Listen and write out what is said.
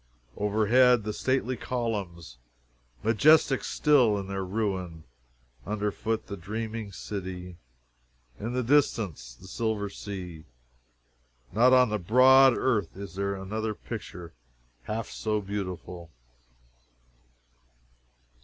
Overhead the stately columns, majestic still in their ruin under foot the dreaming city in the distance the silver sea not on the broad earth is there an other picture half so beautiful!